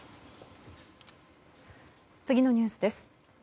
次のニュースです。